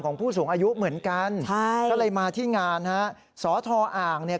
ของผู้สูงอายุเหมือนกันถ้าเลยมาที่งานฮะสธอ่างเนี่ย